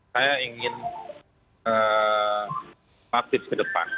saya ingin aktif ke depan